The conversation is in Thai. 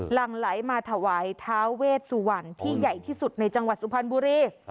หลังไหลมาถวายท้าเวชสุวรรณที่ใหญ่ที่สุดในจังหวัดสุพรรณบุรี